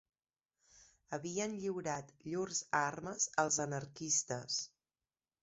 Havien lliurat llurs armes als anarquistes